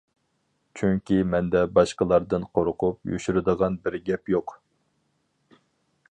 چۈنكى مەندە باشقىلاردىن قورقۇپ يوشۇرىدىغان بىر گەپ يوق.